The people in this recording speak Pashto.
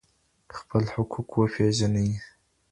خپل حقوق وپېژنئ.